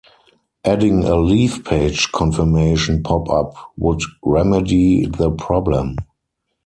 Adding a "leave page" confirmation pop-up would remedy the problem.